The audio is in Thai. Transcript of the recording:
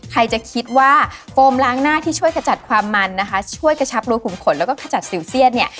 ใครจะคิดว่าโฟมล้างหน้าที่ช่วยขจัดความมันนะคะช่วยกระชับรูขุมขนแล้วก็ขจัดสิวเซียนเนี่ย